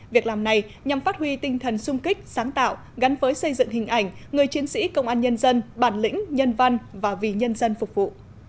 việc làm này nhằm phát huy tinh thần sung kích sáng tạo gắn với xây dựng hình ảnh người chiến sĩ công an nhân dân bản lĩnh nhân văn và vì nhân dân phục vụ